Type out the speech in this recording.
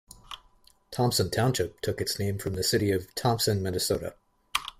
Thomson Township took its name from the city of Thomson, Minnesota.